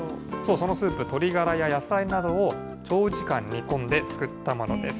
そのスープ、鶏ガラや野菜などを長時間煮込んで作ったものです。